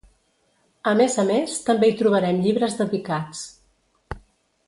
A més a més també hi trobarem llibres dedicats.